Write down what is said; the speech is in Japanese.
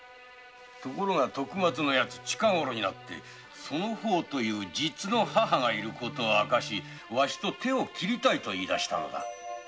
だが徳松は近ごろになってその方という実母がいることを盾にわしと手を切りたいと言い出したのだ。